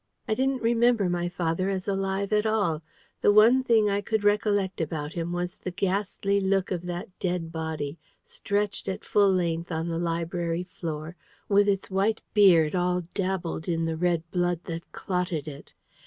I didn't remember my father as alive at all: the one thing I could recollect about him was the ghastly look of that dead body, stretched at full length on the library floor, with its white beard all dabbled in the red blood that clotted it.